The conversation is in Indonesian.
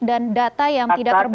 dan data yang tidak terbuka